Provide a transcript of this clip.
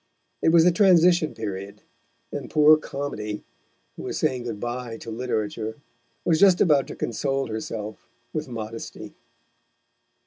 It was the transition period, and poor Comedy, who was saying good bye to literature, was just about to console herself with modesty.